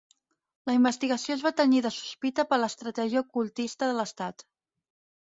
La investigació es va tenyir de sospita per l'estratègia ocultista de l'Estat.